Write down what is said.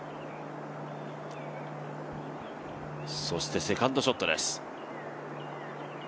そして、セカンドショットです。